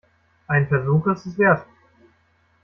Einen Versuch ist es wert.